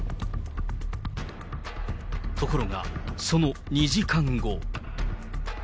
ところが、その２時間後。